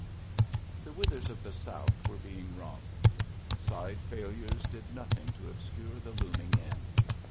The withers of the South were being wrung. Side failures did nothing to ob scure the looming end.